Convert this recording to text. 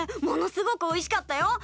ものすごくおいしかったよ。